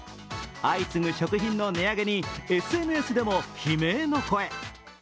相次ぐ食品の値上げにＳＮＳでも悲鳴の声。